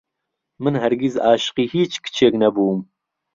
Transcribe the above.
من هەرگیز عاشقی هیچ کچێک نەبووم.